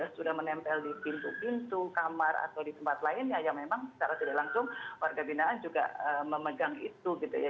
sudah menempel di pintu pintu kamar atau di tempat lainnya yang memang secara tidak langsung warga binaan juga memegang itu gitu ya